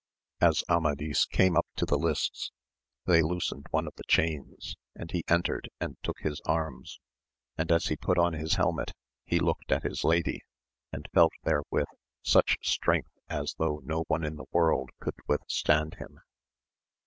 As Amadis came up to the lists they loosened one of the chains and he entered and took his arms, and as he put on his helmet he looked at his. lady, and felt therewith such strength as though no one in the world could withstand him.